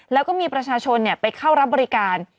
แล้วก็มีประชาชนไปเข้ารับบริการ